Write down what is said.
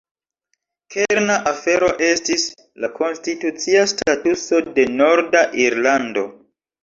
Kerna afero estis la konstitucia statuso de Norda Irlando.